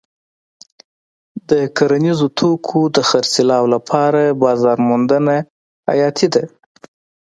د کرنیزو توکو د خرڅلاو لپاره بازار موندنه حیاتي ده.